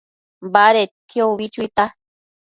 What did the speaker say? Badedquio ubi chuita